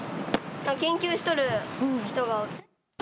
研究しとる人がおる。